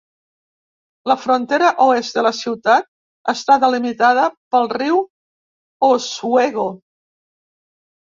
La frontera oest de la ciutat està delimitada pel riu Oswego.